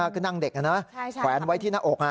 คือนั่งเด็กแขวนไว้ที่หน้าอก